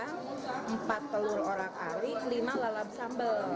tiga rendang empat telur orang ari lima lalap sambal